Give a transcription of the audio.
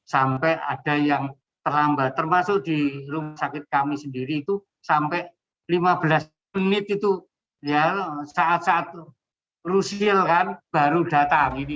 sampai ada yang terlambat termasuk di rumah sakit kami sendiri itu sampai lima belas menit itu saat saat rusil kan baru datang